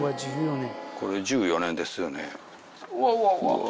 これ１４年ですよね。